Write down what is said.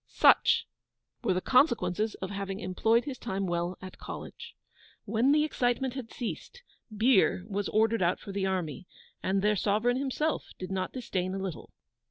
Such were the consequences of having employed his time well at College! When the excitement had ceased, beer was ordered out for the army, and their Sovereign himself did not disdain a little!